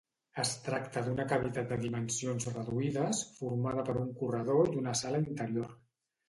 Es tracta d’una cavitat de dimensions reduïdes, formada per un corredor i una sala interior.